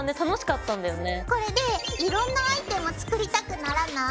これでいろんなアイテム作りたくならない？